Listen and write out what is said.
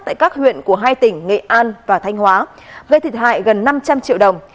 tại các huyện của hai tỉnh nghệ an và thanh hóa gây thiệt hại gần năm trăm linh triệu đồng